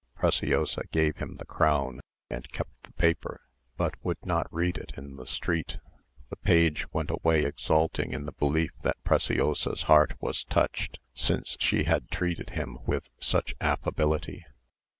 Preciosa gave him the crown, and kept the paper, but would not read it in the street. The page went away exulting in the belief that Preciosa's heart was touched, since she had treated him with such affability.